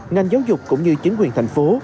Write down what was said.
ngành giáo dục cũng như chính quyền thành phố